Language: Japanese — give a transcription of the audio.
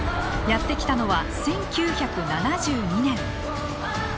やって来たのは１９７２年。